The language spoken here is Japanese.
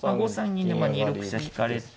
銀で２六飛車引かれて。